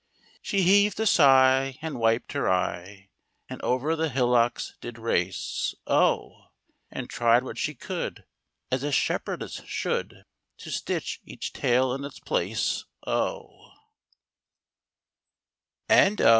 She heaved a sigh, and wiped her eye, And over the hillocks did race — O ! And tried what she could, as a shepherdess should To stitch each tail in its place — O !